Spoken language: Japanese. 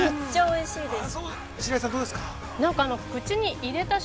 ◆めっちゃおいしいです。